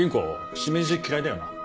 しめじ嫌いだよな？